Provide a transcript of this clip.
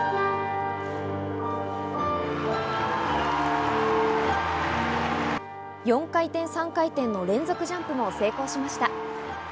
そして４回転、３回転の連続ジャンプも成功しました。